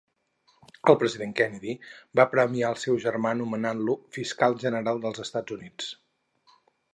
El president Kennedy va premiar el seu germà nomenant-lo Fiscal General dels Estats Units.